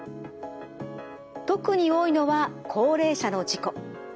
特に多いのは高齢者の事故。